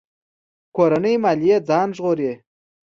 کورنۍ ماليې ځان ژغوري.